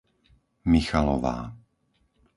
Michalová